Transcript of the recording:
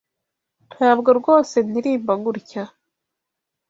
Ntabwo rwose ndirimba gutya.